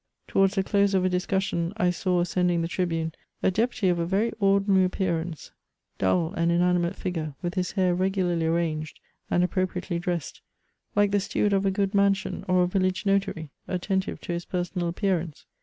Towards the close of a discussion, I saw ascending the tribune a deputy of a very ordinary appearance, dull and inanimate figure, with his hair regularly arranged, and appropriately dressed, like the steward of a good mansion, or a village notaiy, attentive to his personal appearance.